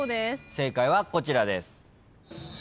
正解はこちらです。